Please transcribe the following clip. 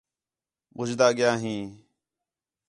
بھڄدا ڳِیا ہیں